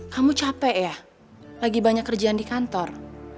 kamu capek ya lagi banyak kerjaan di kantor